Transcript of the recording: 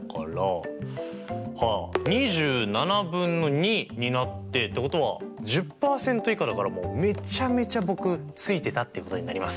えっとになってってことは１０％以下だからめちゃめちゃ僕ついてたってことになります。